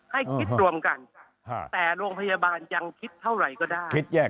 ให้คิดรวมกันแต่โรงพยาบาลยังคิดเท่าไหร่ก็ได้